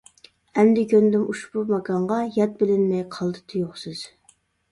ئەمدى كۆندۈم ئۇشبۇ ماكانغا، يات بىلىنمەي قالدى تۇيۇقسىز.